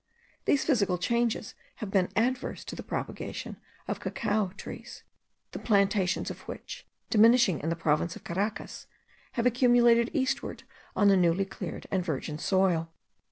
These physical changes have been adverse to the propagation of cacao trees, the plantations of which, diminishing in the province of Caracas, have accumulated eastward on a newly cleared and virgin soil.